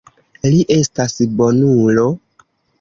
Li estas bonulo.